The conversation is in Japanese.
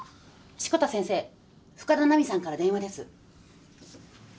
志子田先生深田奈美さんから電話です。